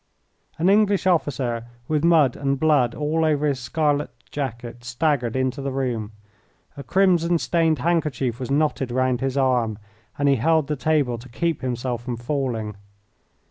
An English officer, with mud and blood all over his scarlet jacket, staggered into the room. A crimson stained handkerchief was knotted round his arm, and he held the table to keep himself from falling.